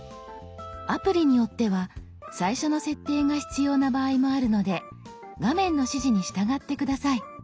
アプリによっては最初の設定が必要な場合もあるので画面の指示に従って下さい。